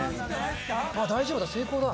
大丈夫だ。